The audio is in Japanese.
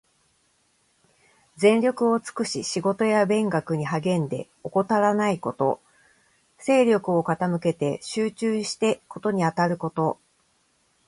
全力を尽くし仕事や勉学に励んで、怠らないこと。精力を傾けて集中して事にあたること。